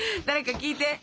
誰か聞いて！